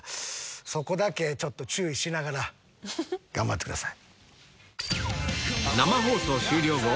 そこだけちょっと注意しながら頑張ってください。